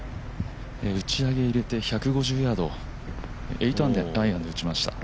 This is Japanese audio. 打ち上げ入れて１５０ヤードエイトアイアンで打ちました。